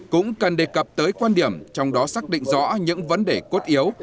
cũng cần đề cập tới quan điểm trong đó xác định rõ những vấn đề cốt yếu